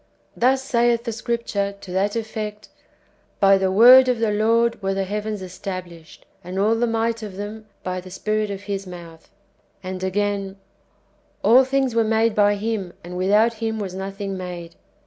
Thus saith the Scripture, to that effect :" By the Word of the Lord were the heavens established, and all the might of them, by the spirit of His mouth." ^ And again, "All things were made by Him, and without Him was nothing made."